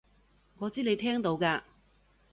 我知你聽到㗎